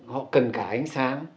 họ cần cả ánh sáng